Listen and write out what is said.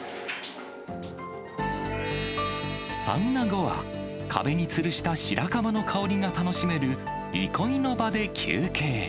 サウナ後は、壁につるした白樺の香りが楽しめる、憩いの場で休憩。